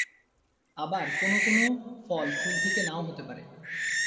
আবার কোনো কোন ফল ফুল থেকে নাও হতে পারে।